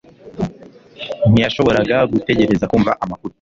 Ntiyashoboraga gutegereza kumva amakuru